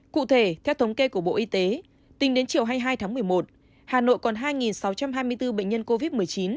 cụ thể theo thống kê của bộ y tế tính đến chiều hai mươi hai tháng một mươi một hà nội còn hai sáu trăm hai mươi bốn bệnh nhân covid một mươi chín